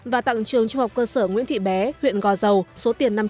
và tặng trường trung học cơ sở nguyễn thị bé huyện gò dầu số tiền năm trăm linh